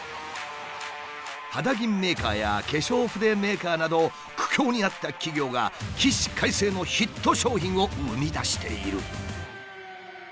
肌着メーカーや化粧筆メーカーなど苦境にあった企業が起死回生のヒット商品を生み出している。